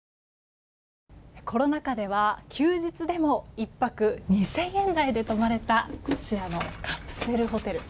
コロナ禍では休日でも１泊２０００円台で泊まれたこちらのカプセルホテル。